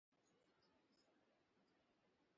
কিন্তু তার বুটের শব্দ স্পষ্ট শুনতে পাচ্ছি।